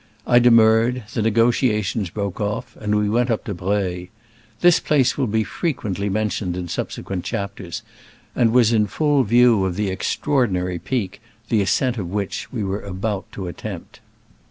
I demurred, the negotiations broke off, and we went up to Breuil. This place will be frequently mentioned in subsequent chapters, and was in full view of the extraordinary peak the as cent of which we were about to attempt.